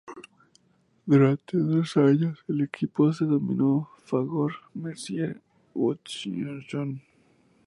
Durante dos años el equipo se denominó Fagor-Mercier-Hutchinson.